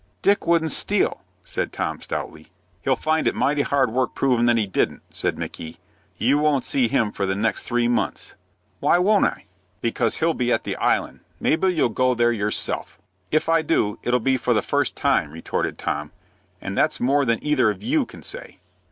"Dick wouldn't steal," said Tom, stoutly. "He'll find it mighty hard work provin' that he didn't," said Micky. "You won't see him for the next three months." "Why won't I?" "Because he'll be at the Island. Maybe you'll go there yourself." "If I do, it'll be for the first time," retorted Tom; "and that's more than either of you can say."